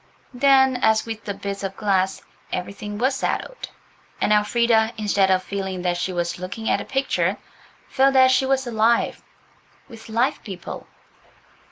Then, as with the bits of glass, everything was settled, and Elfrida, instead of feeling that she was looking at a picture, felt that she was alive, with live people.